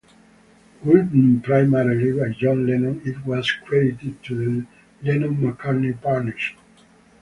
Written primarily by John Lennon, it was credited to the Lennon-McCartney partnership.